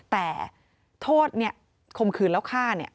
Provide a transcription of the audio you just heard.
แต่โทษขมขืนแล้วฆ่า